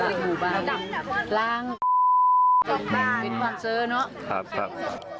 เรื่องไหนนี่น่ะครับ